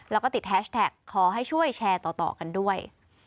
แล้วก็ติดแฮชแท็กขอให้ช่วยแชร์ต่อกันด้วย